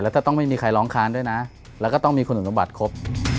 แล้วก็ต้องไม่มีใครร้องค้านด้วยนะแล้วก็ต้องมีคุณสมบัติครบ